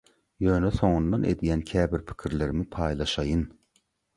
ýöne soňundan edýän käbir pikirlerimi paýlaşaýyn.